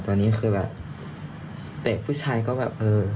ตอนนี้คือแบบเตะผู้ชายก็แบบเออ